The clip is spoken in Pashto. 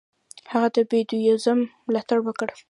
هغه د بودیزم ملاتړ وکړ.